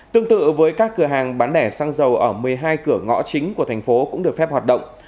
tương tự với các cửa hàng bán lẻ xăng dầu ở một mươi hai cửa ngõ chính của thành phố cũng được phép hoạt động